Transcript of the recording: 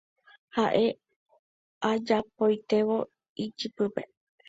ha'e ajapaitévo ijypýpe